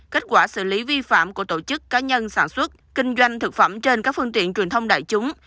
kết quả xử lý vi phạm của tổ chức cá nhân sản xuất kinh doanh thực phẩm trên các phương tiện truyền thông đại chúng